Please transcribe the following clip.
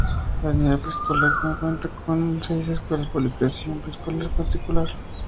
A nivel preescolar se cuenta con seis escuelas públicas y un preescolar particular.